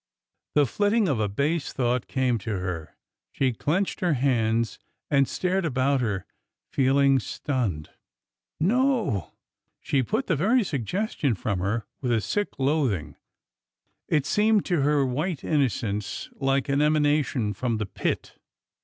The flitting of a base thought came to her. She clenched her hands and stared about her, feeling stunned. No! She put the very suggestion from her with a sick loath ing. It seemed to her white innocence like an emanation from the pit.